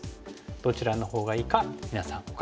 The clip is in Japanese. どちらのほうがいいか皆さんお考え下さい。